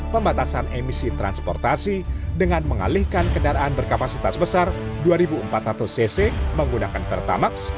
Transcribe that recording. pembatasan emisi transportasi dengan mengalihkan kendaraan berkapasitas besar dua empat ratus cc menggunakan pertamax